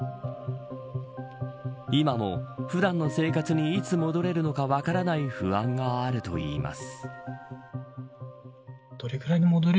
今も普段の生活にいつ戻れるのか分からない不安があると言います。